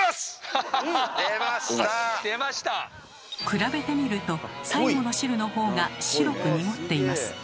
比べてみると最後の汁のほうが白く濁っています。